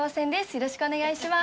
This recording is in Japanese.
よろしくお願いします。